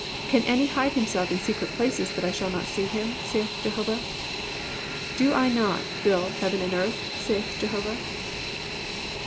(24) Can any hide himself in secret places that I shall not see him? saith Jehovah. Do not I fill heaven and earth? saith Jehovah."